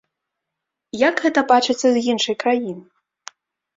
Як гэта бачыцца з іншай краіны?